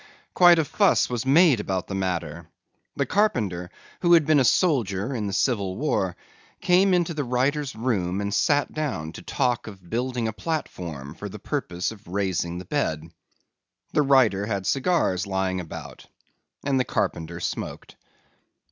Quite a fuss was made about the matter. The carpenter, who had been a soldier in the Civil War, came into the writer's room and sat down to talk of building a platform for the purpose of raising the bed. The writer had cigars lying about and the carpenter smoked.